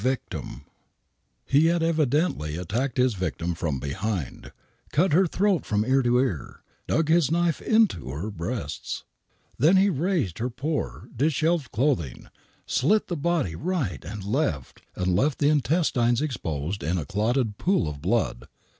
aryel of a )pera /'kite cuts, IS the THE WHITECHAPEL MURDERS 39 He had evidently attacked his victim from behind, cut her throat from ear to ear, dug his ?aiife into her breasts. Then he had raised her poor, dishevelled clothing, slit the body right and left, and left the intestines exposed in a clotted pool of blood.